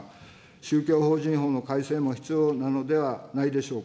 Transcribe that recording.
宗教法人法の改正も必要なのではないでしょうか。